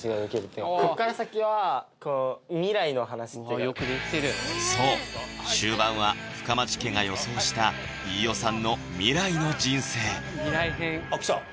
更にそう終盤は深町家が予想した飯尾さんの未来の人生未来編あっ来た！